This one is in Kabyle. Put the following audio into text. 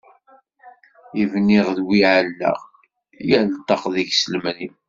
I bniɣ d wi ɛellaɣ, yal ṭṭaq deg-s lemri.